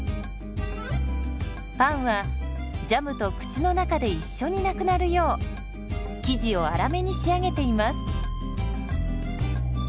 パンはジャムと口の中で一緒になくなるよう生地を粗めに仕上げています。